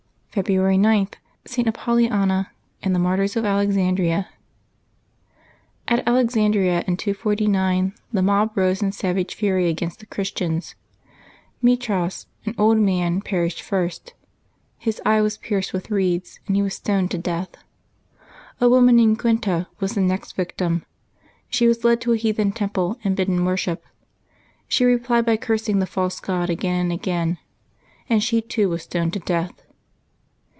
February 9.— ST. APOLLONIA AND THE MAR TYRS OF ALEXANDRIA. aT Alexandria, in 249, the mob rose in savage fury against the Christians. Metras, an old man, per ished first. His eyes were pierced with reeds, and he was stoned to death. A woman named Quinta was the next victim. She was led to a heathen temple and bidden worship. She replied by cursing the false god again and again, and she too was stoned to death.